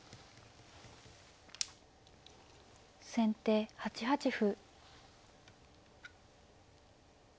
先手８八歩。